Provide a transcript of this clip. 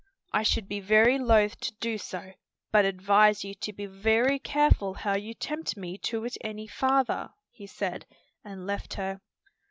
"I should be very loath to do so, but advise you to be very careful how you tempt me to it any farther," he said, and left her.